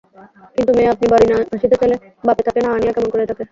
কিন্তু মেয়ে আপনি বাড়ি আসিতে চাহিলে বাপ তাকে না আনিয়া কেমন করিয়া থাকে।